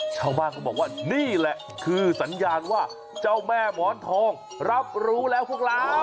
ชาวบ้านเขาบอกว่านี่แหละคือสัญญาณว่าเจ้าแม่หมอนทองรับรู้แล้วพวกเรา